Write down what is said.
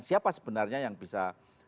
siapa sebenarnya yang bisa